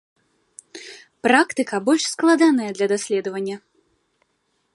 Практыка больш складаная для даследавання.